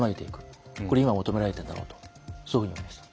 これ今求められているだろうとそういうふうに思いました。